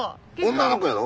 女の子やろ？